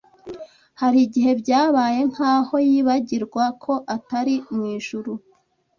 hari igihe byabaye nk’aho yibagirwa ko atari mu ijuru